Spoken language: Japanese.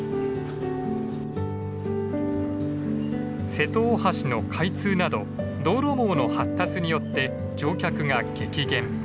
瀬戸大橋の開通など道路網の発達によって乗客が激減。